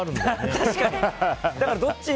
確かに。